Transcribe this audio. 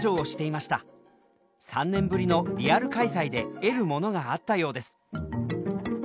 ３年ぶりのリアル開催で得るものがあったようです。